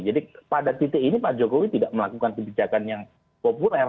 jadi pada titik ini pak jokowi tidak melakukan kebijakan yang populer